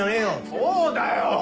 そうだよ！